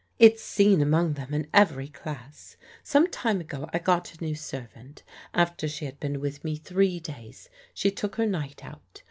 It's seen among them in every class. Some time ago, I got a new servant. After she had been with me three days, she took her night out.